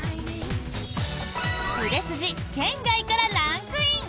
売れ筋圏外からランクイン！